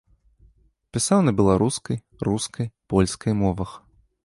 Пісаў на беларускай, рускай, польскай мовах.